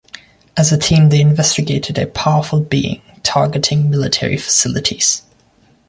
As a team, they investigated a powerful being targeting military facilities.